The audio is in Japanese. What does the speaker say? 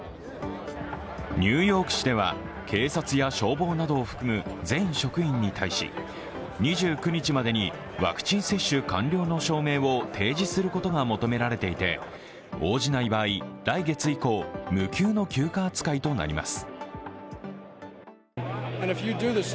ニューヨーク市では警察や消防などを含む全職員に対し２９日までにワクチン接種完了の証明を提示することが求められていて、応じない場合、来月以降、無給の休暇扱いとなります。